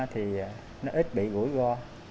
thì nó ít bị gũi go